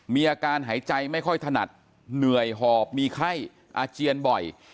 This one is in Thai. มีอาการหายใจไม่ค่อยถนัดเหนื่อยหอบมีไข้อาเจียนบ่อย